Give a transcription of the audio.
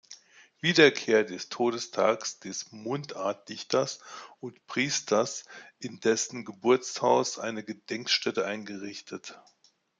Wiederkehr des Todestages des Mundartdichters und Priesters in dessen Geburtshaus eine Gedenkstätte eingerichtet.